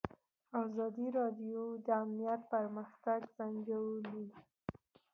ازادي راډیو د امنیت پرمختګ سنجولی.